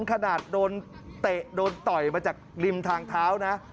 ขนาดโดนเตะโดนต่อยมาจากริมทางเท้านะ